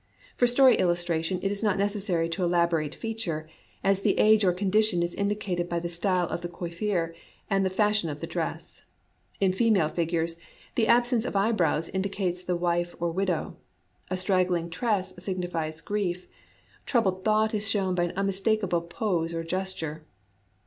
For story illustration it is not necessary to elabo rate feature, as the age or condition is indi cated by the style of the coiffure and the fashion of the dress. In female figures, the absence of eyebrows indicates the wife or ABOUT FACES IN JAPANESE ART 111 widow ; a straggling tress signifies grief ; troubled thought is shown by an unmistakable pose or gesture.